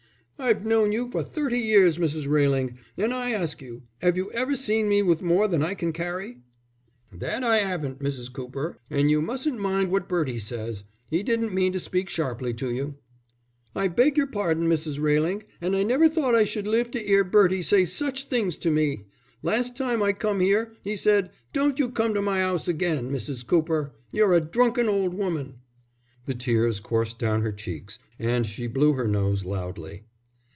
"I've known you for thirty years, Mrs. Railing, and I ask you, 'ave you ever seen me with more than I can carry?" "That I 'aven't, Mrs. Cooper, and you mustn't mind what Bertie says. He didn't mean to speak sharply to you." "I beg your pardon, Mrs. Railing, and I never thought I should live to 'ear Bertie say such things to me. Last time I come 'ere, he said: 'Don't you come to my 'ouse again, Mrs. Cooper. You're a drunken old woman.'" The tears coursed down her cheeks and she blew her nose loudly.